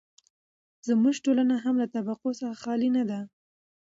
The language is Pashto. زموږ ټولنه هم له طبقو څخه خالي نه ده.